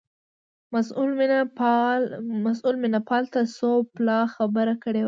مسئول مینه پال ته څو پلا خبره کړې وه.